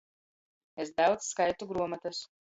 Es daudz skaitu gruomotys.